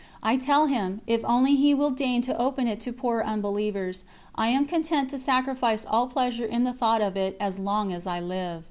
I tell him, if only He will deign to open it to poor unbelievers, I am content to sacrifice all pleasure in the thought of it as long as I live.